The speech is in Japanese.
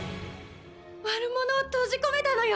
「悪者を閉じ込めたのよ